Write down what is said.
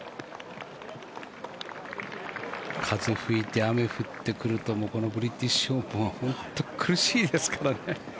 風が吹いて、雨が降ってくるともうこのブリティッシュオープンは本当に苦しいですからね。